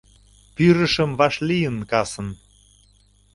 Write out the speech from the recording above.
Пӱрышым вашлийын касын